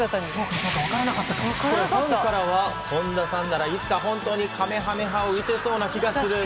ファンからは本田さんならいつか本当にかめはめ波を打てそうな気がする。